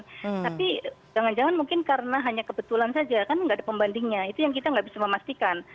tapi jangan jangan mungkin karena hanya kebetulan saja kan nggak ada pembandingnya itu yang kita nggak bisa memastikan